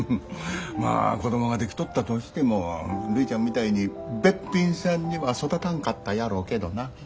まあ子供が出来とったとしてもるいちゃんみたいにべっぴんさんには育たんかったやろうけどな。